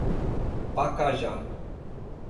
Pacajá